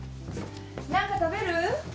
何か食べる？